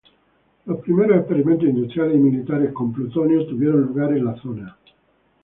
Los primeros experimentos industriales y militares con plutonio tuvieron lugar en la zona.